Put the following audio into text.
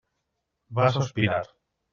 Va sospirar.